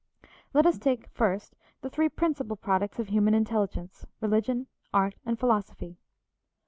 Let us take first the three principal products of human intelligence religion, art, and philosophy.